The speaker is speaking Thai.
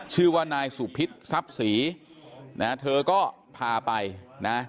ชื่อว่านายสุพิษทรัพย์ศรีนะเธอก็พาไปนะ